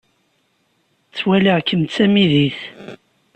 Ttwaliɣ-kem d tamidit.